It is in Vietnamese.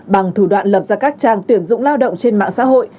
bằng thủ đoạn lập ra các trang tuyển dụng lao động trên mạng xã hội